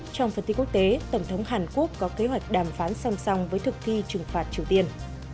trong phần tin quốc tế tổng thống hàn quốc có kế hoạch đàm phán song song với thực thi trừng phạt triều tiên